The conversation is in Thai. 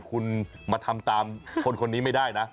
คุณมาทำตามคนคนนี้ไม่ได้นะ